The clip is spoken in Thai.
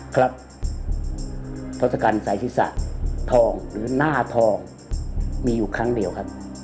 ครับทศกัณฐ์ใส่ศีรษะทองหรือหน้าทองมีอยู่ครั้งเดียวครับ